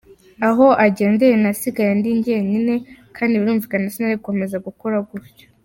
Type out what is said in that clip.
Aho agendeye nasigaye ndi njye nyine kandi birumvikana sinari gukomeza gukora gutyo.